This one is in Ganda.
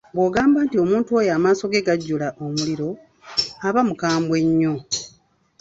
Bw’ogamba nti omuntu oyo amaaso ge gajjula omuliro, aba mukambwe nnyo.